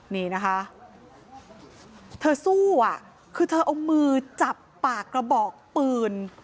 นี่นะคะเธอสู้อ่ะคือเธอเอามือจับปากกระบอกปืน